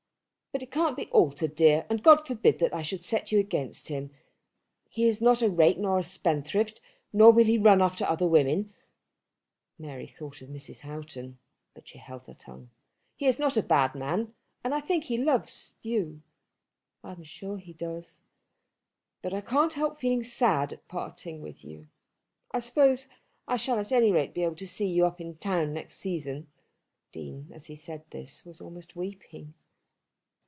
But it can't be altered, dear, and God forbid that I should set you against him. He is not a rake nor a spendthrift, nor will he run after other women." Mary thought of Mrs. Houghton, but she held her tongue. "He is not a bad man and I think he loves you." "I am sure he does." "But I can't help feeling sad at parting with you. I suppose I shall at any rate be able to see you up in town next season." The Dean as he said this was almost weeping.